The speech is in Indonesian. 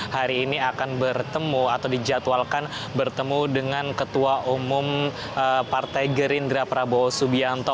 hari ini akan bertemu atau dijadwalkan bertemu dengan ketua umum partai gerindra prabowo subianto